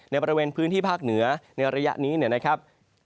ในบริเวณพื้นที่ภาคเหนือในระยะนี้นะครับ